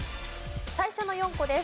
最初の４個です。